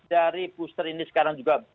dari booster ini sekarang juga